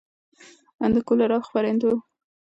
د کولرا خپرېدو وړاندوینه د خلکو ژوند ژغوري.